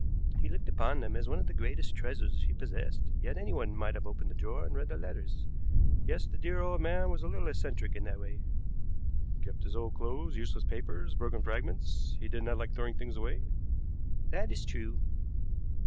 He looked upon them as one of the greatest treasures he possessed, yet anyone might have opened the drawer and read the letters. Yes, the dear old man was a little eccentric in that way." "Kept his old clothes, useless papers, broken fragments. He did not like throwing things away." "That is true."